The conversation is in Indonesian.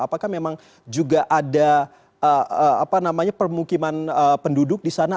apakah memang juga ada permukiman penduduk di sana